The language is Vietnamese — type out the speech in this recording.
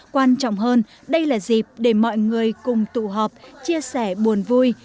quan trọng hơn đây là dịp để mọi người cùng tụ họp chia sẻ buồn vui